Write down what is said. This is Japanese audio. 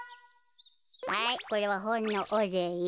はいこれはほんのおれい。